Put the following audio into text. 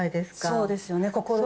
そうですよね。